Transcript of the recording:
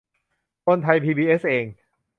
คนไทยพีบีเอสเอง